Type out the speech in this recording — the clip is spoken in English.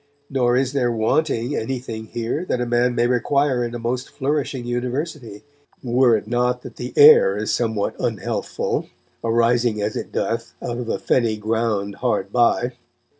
Nor is there wanting anything here, that a man may require in a most flourishing University, were it not that the air is somewhat unhealthful, arising as it doth out of a fenny ground hard by.